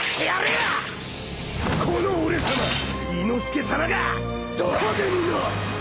この俺さま伊之助さまがド派手にな！